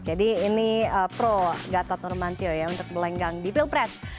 jadi ini pro gatot nurmantio ya untuk melenggang di pilpres